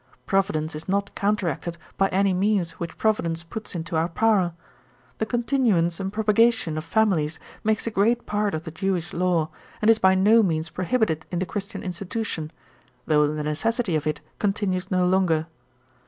Providence is not counteracted by any means which Providence puts into our power. The continuance and propagation of families makes a great part of the Jewish law, and is by no means prohibited in the Christian institution, though the necessity of it continues no longer.